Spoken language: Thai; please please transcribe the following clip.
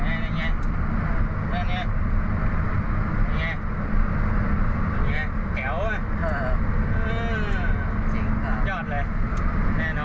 จริงจริงยอดเลยแน่นอนแน่นอนดูเพลิน